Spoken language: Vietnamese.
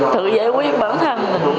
thử giải quyết bản thân